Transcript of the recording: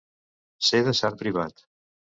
Ser de Sant Privat.